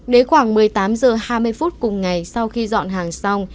đến khoảng một mươi tám h hai mươi phút cùng ngày sau khi dọn hàng xong